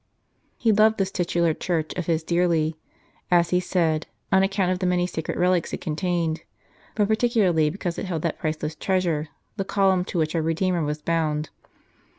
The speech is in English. He loved this titular church of his dearly, as he said, on account of the many sacred relics it contained, but particularly because it held that priceless treasure, the Column to which our Redeemer was bound.